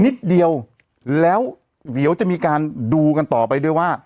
นิดเดียวแล้วเดี๋ยวจะมีการดูกันต่อไปด้วยว่า